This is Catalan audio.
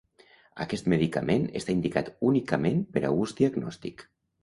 Aquest medicament està indicat únicament per a ús diagnòstic.